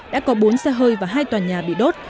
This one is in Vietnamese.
đã có bốn xe hơi và hai tòa nhà bị đốt